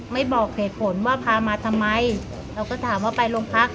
บอกเหตุผลว่าพามาทำไมเราก็ถามว่าไปโรงพัก